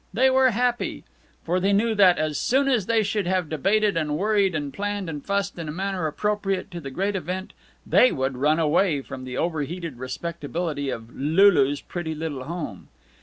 They were happy. For they knew that, as soon as they should have debated and worried and planned and fussed in a manner appropriate to the great event, they would run away from the overheated respectability of "Lulu's pretty little home."